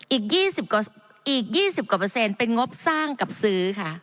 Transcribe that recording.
อีกยี่สิบกว่าอีกยี่สิบกว่าเปอร์เซ็นต์เป็นงบสร้างกับซื้อค่ะ